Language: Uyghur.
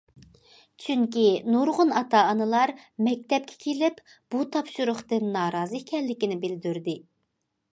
چۈنكى نۇرغۇن ئاتا- ئانىلار مەكتەپكە كېلىپ بۇ تاپشۇرۇقتىن نارازى ئىكەنلىكىنى بىلدۈردى.